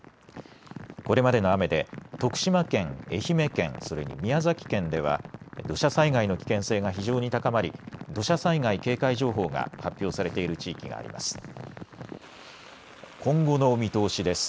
これまでの雨で徳島県、愛媛県、それに宮崎県では土砂災害の危険性が非常に高まり土砂災害警戒情報が発表されている地域があります。